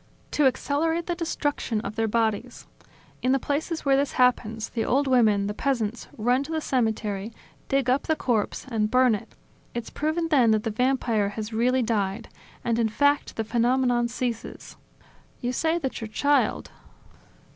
... To accelerate the destruction of their bodies. In the places where this happens, the old women, the peasants, run to the cemetery, dig up the corpse, and burn it ... It's proven then that the Vampire has really died; and in fact the phenomenon ceases. .. You say that your child